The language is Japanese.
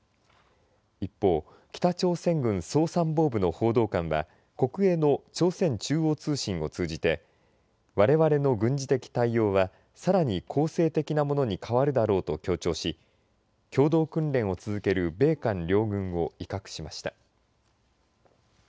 一方、北朝鮮軍総参謀部の報道官は国営の朝鮮中央通信を通じてわれわれの軍事的対応はさらに攻勢的なものに変わるだろうと強調し共同訓練を続ける米韓両軍を威嚇しました。